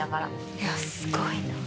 いやすごいな。